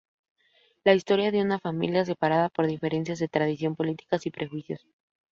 La historia de una familia separada por diferencias de tradición, políticas y prejuicios.